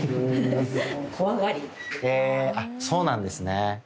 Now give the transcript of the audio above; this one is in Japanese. へぇあっそうなんですね。